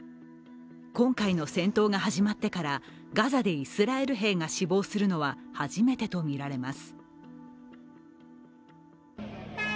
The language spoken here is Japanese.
今回の戦闘が始まってからガザでイスラエル兵が死亡するのは初めてとみられます。